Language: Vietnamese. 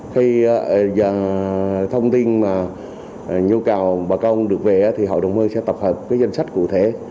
khi thông tin nhu cầu bà con được về thì hội đồng hương sẽ tập hợp danh sách cụ thể